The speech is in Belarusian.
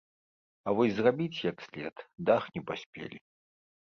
А вось зрабіць як след дах не паспелі.